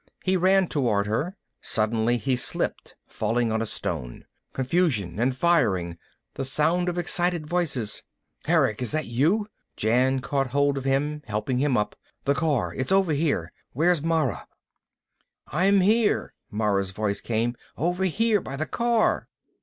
He ran toward her. Suddenly he slipped, falling on a stone. Confusion and firing. The sound of excited voices. "Erick, is that you?" Jan caught hold of him, helping him up. "The car. It's over here. Where's Mara?" "I'm here," Mara's voice came. "Over here, by the car."